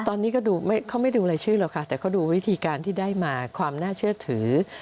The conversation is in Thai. ตอนนี้ก็ดูเขาไม่ดูรายชื่อหรอกค่ะแต่เขาดูวิธีการที่ได้มาความน่าเชื่อถือ